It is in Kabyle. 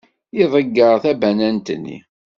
Iḍegger tabanant-nni.